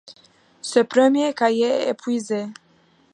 Ce premier cahier est épuisé.